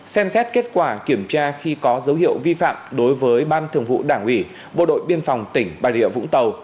xem xét kết quả kiểm tra khi có dấu hiệu vi phạm đối với ban thường vụ đảng ủy bộ đội biên phòng tỉnh bà rịa vũng tàu